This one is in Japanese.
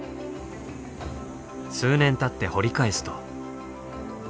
数年たって掘り返すと。